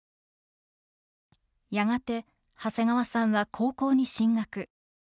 やがて長谷川さんは高校に進学。